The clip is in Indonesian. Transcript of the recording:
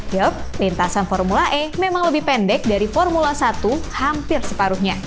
yop lintasan formula e memang lebih pendek dari formula satu hampir separuhnya